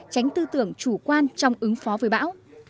tránh tư tưởng chủ quan trong ứng phó với bão